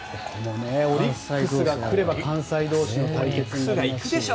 オリックスが来れば関西同士の対決になりますし。